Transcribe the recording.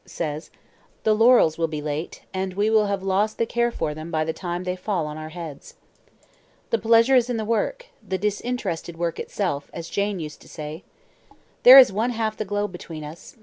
says, 'The laurels will be late, and we will have lost the care for them by the time they fall on our heads.' The pleasure is in the work the disinterested work itself as Jane used to say. There is one half the globe between us.